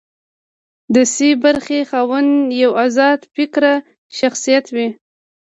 د سي برخې خاوند یو ازاد فکره شخصیت وي.